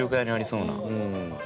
うん。